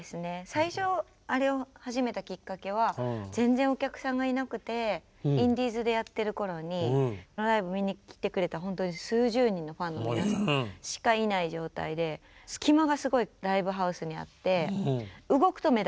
最初あれを始めたきっかけは全然お客さんがいなくてインディーズでやってる頃にライブ見に来てくれた数十人のファンの皆さんしかいない状態で隙間がすごいライブハウスにあって動くと目立つみたいな。